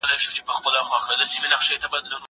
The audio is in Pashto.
زه مخکي کتابتوني کار کړي وو!